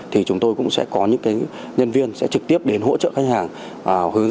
thì chúng tôi cũng sẽ có những nhân viên sẽ trực tiếp đến hỗ trợ khách hàng